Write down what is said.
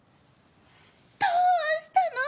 どうしたの！？